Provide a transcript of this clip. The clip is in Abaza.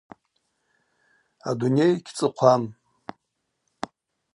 Адуней гьцӏыхъвам.